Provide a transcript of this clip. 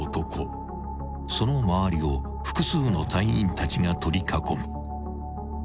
［その周りを複数の隊員たちが取り囲む］